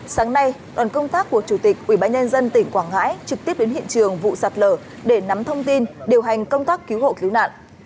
sáng nay đoàn công tác của chủ tịch ubnd tỉnh quảng ngãi trực tiếp đến hiện trường vụ sạt lở để nắm thông tin điều hành công tác cứu hộ cứu nạn